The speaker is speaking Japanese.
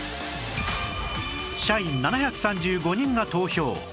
社員７３５人が投票！